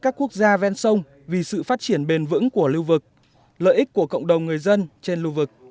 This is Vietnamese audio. các quốc gia ven sông vì sự phát triển bền vững của lưu vực lợi ích của cộng đồng người dân trên lưu vực